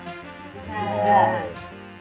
สวัสดีครับ